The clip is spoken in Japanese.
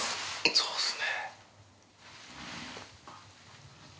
そうっすね。